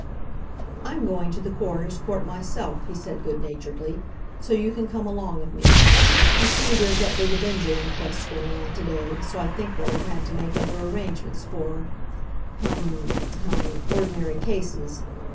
"I'm going to the Coroner's Court myself." he said good naturedly. "So you can come along of me. You see there's that big Avenger inquest going on to day, so I think they'll have had to make other arrangements for—hum, hum—ordinary cases."